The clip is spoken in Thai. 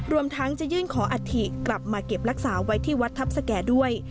รวมทั้งจะยื่นขออัฐิกลับมาเก็บรักษาไว้ที่วัดทัพสแก่ด้วย